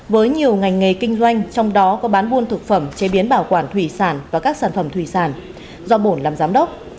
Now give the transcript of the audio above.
với nhiều ngành nghề kinh doanh trong đó có bán buôn thực phẩm chế biến bảo quản thủy sản và các sản phẩm thủy sản do bổn làm giám đốc